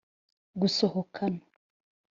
Gusohokana